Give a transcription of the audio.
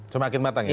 semakin matang ya